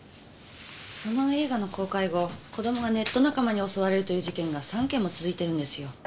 その映画の公開後子どもがネット仲間に襲われるという事件が３件も続いてるんですよ。